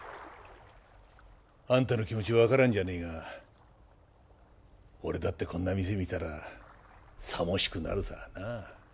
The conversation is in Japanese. あんたの気持ち分からんじゃねえが俺だってこんな店見たらさもしくなるさなあ。